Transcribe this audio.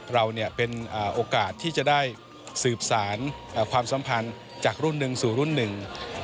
เราเนี่ยเป็นโอกาสที่จะได้สืบสารความสัมพันธ์จากรุ่นหนึ่งสู่รุ่นหนึ่ง